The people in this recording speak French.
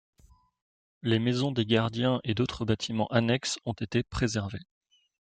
Les maisons des gardiens et d'autres bâtiments annexes ont été préservés.